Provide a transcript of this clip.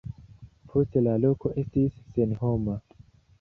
Poste la loko estis senhoma.